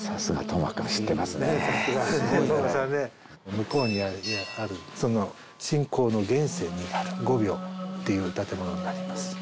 向こうにある信仰の源泉になる御廟っていう建物になります。